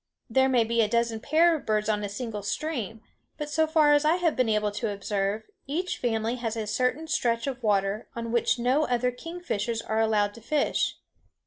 There may be a dozen pairs of birds on a single stream; but, so far as I have been able to observe, each family has a certain stretch of water on which no other kingfishers are allowed to fish.